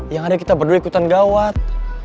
yang ada kita berdua ikutan gawat